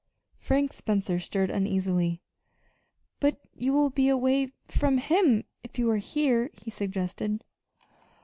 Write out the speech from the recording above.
Frank Spencer stirred uneasily. "But you will be away from him if you are here," he suggested.